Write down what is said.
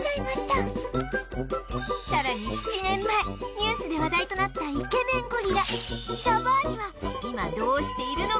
さらに７年前ニュースで話題となったイケメンゴリラシャバーニは今どうしているのか？